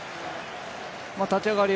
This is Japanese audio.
立ち上がり